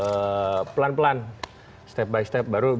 terus kemudian pendekatan yang apa pelan pelan step by step baru bisa